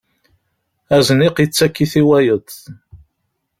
Azniq yettak-it i wayeḍ.